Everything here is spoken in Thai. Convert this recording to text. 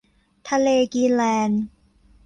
ทะเลกรีนแลนด์